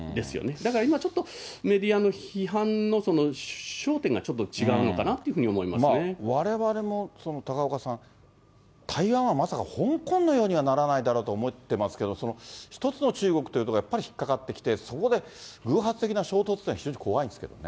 だから今ちょっとメディアの批判の焦点がちょっと違うのかなといわれわれも、高岡さん、台湾はまさか香港のようにはならないだろうと思ってますけど、一つの中国というところ、やっぱり引っ掛かってきて、そこで偶発的な衝突というのは非常に怖いですけどね。